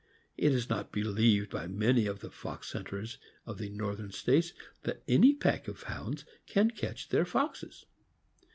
It is not believed by many of the fox hunters of the Northern States that any pack of Hounds can catch their foxes.